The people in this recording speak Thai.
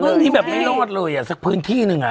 พรุ่งนี้แบบไม่ลดเลยสักพื้นที่หนึ่ง